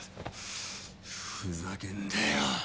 ふざけんなよ